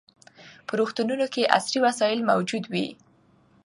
په روغتونونو کې عصري وسایل موجود وي.